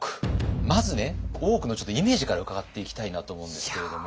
まずね大奥のイメージから伺っていきたいなと思うんですけれども。